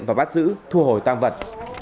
và bắt giữ thu hồi tam vật